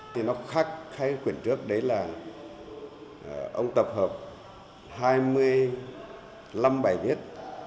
thì nó khác khai quyển trước đấy là ông tập hợp hai mươi năm bài viết